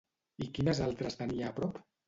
I quines altres tenia a prop?